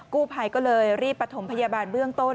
กู้ภัยก็เลยรีบประถมพยาบาลเบื้องต้น